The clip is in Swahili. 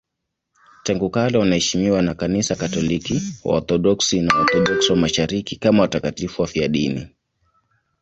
Tangu kale wanaheshimiwa na Kanisa Katoliki, Waorthodoksi na Waorthodoksi wa Mashariki kama watakatifu wafiadini.